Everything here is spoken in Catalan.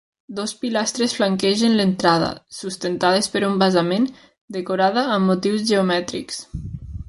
Dues pilastres flanquegen l'entrada, sustentades per un basament, decorada amb motius geomètrics.